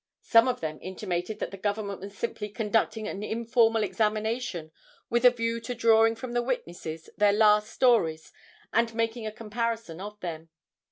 Some of them intimated that the Government was simply conducting an informal examination with a view to drawing from the witnesses their last stories and making a comparison of them.